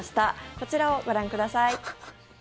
こちらをご覧ください。